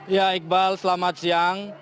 ya iqbal selamat siang